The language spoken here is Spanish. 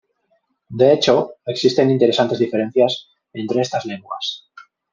De hecho, existen interesantes diferencias entre estas lenguas.